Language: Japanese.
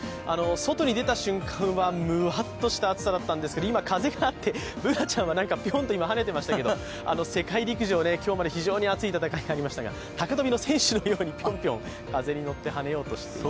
外に出た瞬間はむわっとした暑さだったんですけど、今、風があってＢｏｏｎａちゃんは今、ピョンと跳ねてましたけど世界陸上、今日まで非常に熱い戦いとなりましたが高跳の選手のように、ぴょんぴょん風に乗ってはねようとしています。